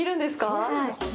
はい。